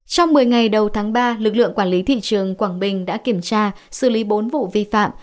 trong một mươi ngày đầu tháng ba lực lượng quản lý thị trường quảng bình đã kiểm tra xử lý bốn vụ vi phạm